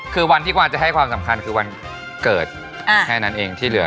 คือวันที่กวานจะให้ความสำคัญคือวันเกิดแค่นั้นเองที่เหลือ